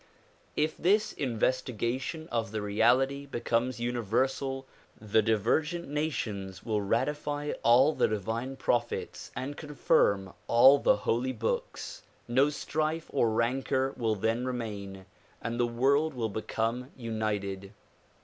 If this investiga tion of the reality becomes universal the divergent nations will ratify all the divine prophets and confirm all the holy books. No strife or rancor will then remain and the world will become united.